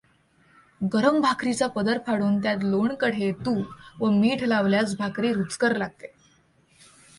गरम भाकरीचा पदर फाडून त्यात लोणकढे तूप व मीठ लावल्यास भाकरी रुचकर लागते.